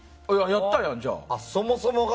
やったやんじゃあ。